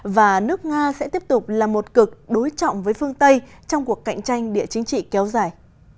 và nước nga sẽ tiếp tục là một cực đối trọng với phương tây trong cuộc cạnh tranh địa chính trị kéo dài